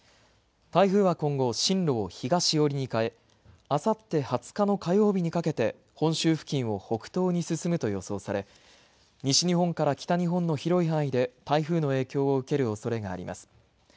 台風は今後、進路を東寄りに変えあさって２０日の火曜日にかけて本州付近を北東に進むと予想され、西日本から北日本の広い範囲で台風の影響を受けるおそれがあります。